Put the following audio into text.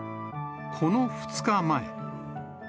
この２日前。